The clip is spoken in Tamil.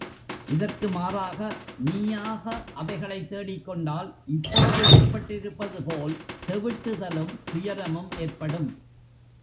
இதற்கு மாறாக, நீயாக அவைகளைத் தேடிக்கொண்டால், இப்பொழுது ஏற்பட்டிருப்பதுபோல் தெவிட்டுதலும் துயரமும் ஏற்படும்.